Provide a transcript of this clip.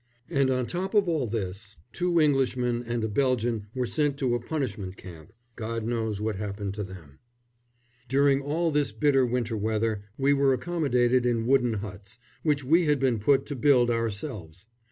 And on top of all this, two Englishmen and a Belgian were sent to a punishment camp. God knows what happened to them. During all this bitter winter weather we were accommodated in wooden huts, which we had been put to build ourselves.